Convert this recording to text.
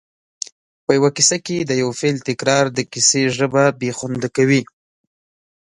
په یوه کیسه کې د یو فعل تکرار د کیسې ژبه بې خونده کوي